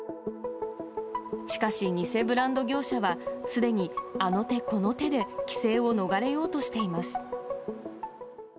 しかし、偽ブランド業者は、すでにあの手この手で規制を逃れようとしています。